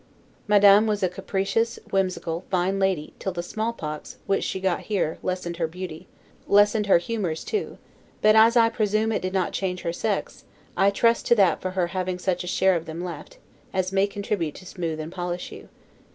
Madame was a capricious, whimsical, fine lady, till the smallpox, which she got here, by lessening her beauty, lessened her humors too; but, as I presume it did not change her sex, I trust to that for her having such a share of them left, as may contribute to smooth and polish you.